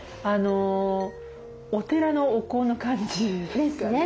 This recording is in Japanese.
お寺のお香の感じ。ですね。